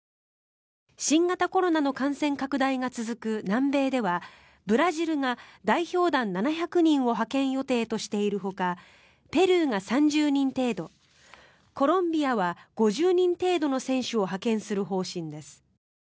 新型コロナの感染拡大が続く南米ではブラジルが代表団７００人を派遣予定としているほかペルーが３０人程度コロンビアは５０人程度の選手を派遣する方針です。